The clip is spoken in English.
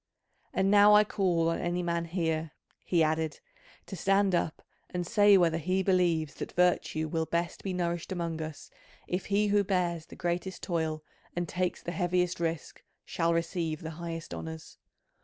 And now I call on any man here," he added, "to stand up and say whether he believes that virtue will best be nourished among us if he who bears the greatest toil and takes the heaviest risk shall receive the highest honours.